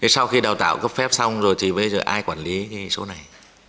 sau khi đào tạo cấp phép xong rồi thì bây giờ ai quản lý số này